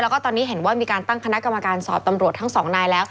แล้วก็ตอนนี้เห็นว่ามีการตั้งคณะกรรมการสอบตำรวจทั้งสองนายแล้ว